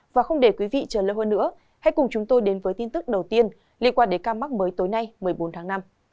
và không để quý vị trở lời hơn nữa hãy cùng chúng tôi đến với tin tức đầu tiên liên quan đến ca mắc mới tối nay một mươi bốn tháng năm